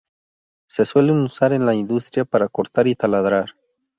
Se suelen usar en la industria para cortar y taladrar.